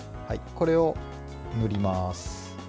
これを塗ります。